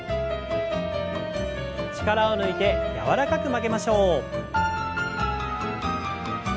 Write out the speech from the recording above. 力を抜いて柔らかく曲げましょう。